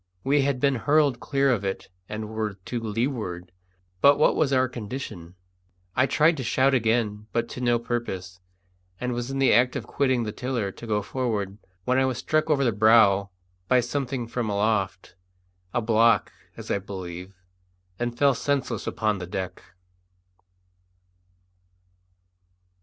We had been hurled clear of it and were to leeward; but what was our condition? I tried to shout again, but to no purpose; and was in the act of quitting the tiller to go forward when I was struck over the brows by something from aloft a block, as I believe and fell senseless upon the deck.